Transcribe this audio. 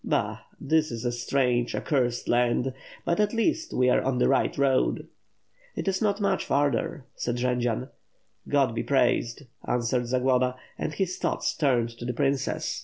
"Bah! this is a strange, accursed land; but at least we are on the right road." "It is not much farther," said Jendzian. "God be praised," answered Zagloba, and his thoughts turned to the princess.